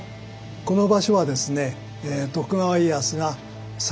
この場所はですねああ